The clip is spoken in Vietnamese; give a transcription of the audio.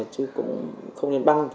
chứ cũng không nên băng